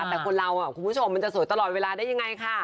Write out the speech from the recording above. แต่คนเราคุณผู้ชมมันจะสวยตลอดเวลาได้ยังไงค่ะ